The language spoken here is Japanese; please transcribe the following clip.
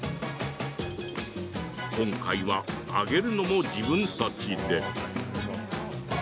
今回は揚げるのも自分たちで。